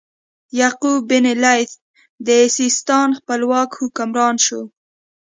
یعقوب بن اللیث د سیستان خپلواک حکمران شو.